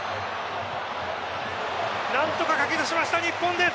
何とか、かき出しました日本です。